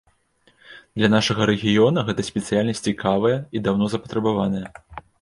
Для нашага рэгіёна гэта спецыяльнасць цікавая і даўно запатрабаваная.